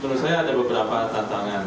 menurut saya ada beberapa tantangan